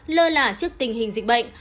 lơ lả trước tình hình dịch bệnh